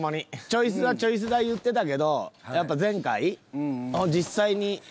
「チョイ菅田チョイ菅田」言ってたけどやっぱ前回実際に菅田が。